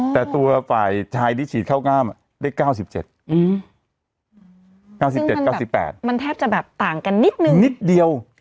แต่ตัวฝ่ายที่ฉีดเข้ากล้ามได้๙๗๙๘มันแทบจะต่างกันนิดนึง